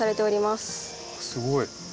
すごい。